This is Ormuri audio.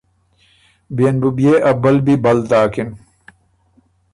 بيې ن بُو بيې ا بلبی بل داکِن۔